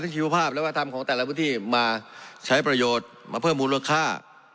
ชีวภาพและวัฒนธรรมของแต่ละพื้นที่มาใช้ประโยชน์มาเพิ่มมูลค่า